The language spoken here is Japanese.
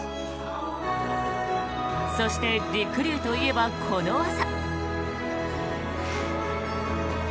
そして、りくりゅうといえばこの技。